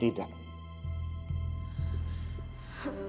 mungkin iya mungkin juga tidak